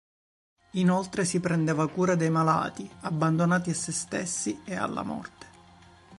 Inoltre, si prendeva cura dei malati, abbandonati a se stessi e alla morte.